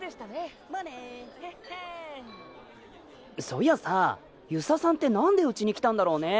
そういやさ遊佐さんって何でウチに来たんだろうね。